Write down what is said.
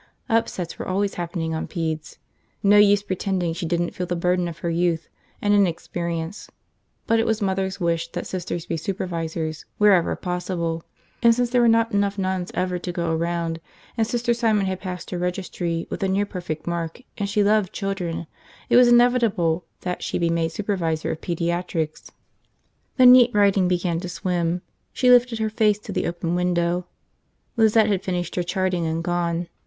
Upsets were always happening on pedes. No use pretending she didn't feel the burden of her youth and inexperience; but it was Mother's wish that Sisters be supervisors wherever possible, and since there were not enough nuns ever to go around and Sister Simon had passed her registry with a nearly perfect mark and she loved children, it was inevitable that she be made supervisor of pediatrics. The neat writing began to swim. She lifted her face to the open window. Lizette had finished her charting and gone.